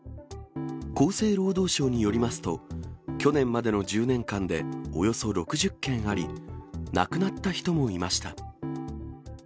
厚生労働省によりますと、去年までの１０年間でおよそ６０件あり、亡くなった人もいました。